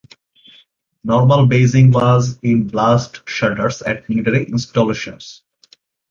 Normal basing was in blast shelters at military installations.